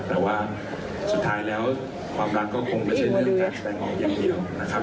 แต่ว่าสุดท้ายแล้วความรักก็คงไม่ใช่เหมือนการแสดงออกอย่างเดียวนะครับ